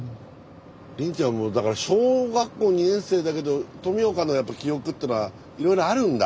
凜ちゃんもだから小学校２年生だけど富岡の記憶っていうのはいろいろあるんだ？